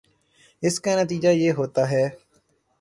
اس کا نتیجہ یہ ہوتا ہے